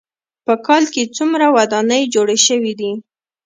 په کال کې څومره ودانۍ جوړې شوې دي.